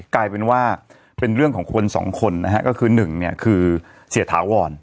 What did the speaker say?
กลายเป็นว่าเป็นเรื่องของคนสองคนนะฮะก็คือหนึ่งเนี่ยคือเสียถาวร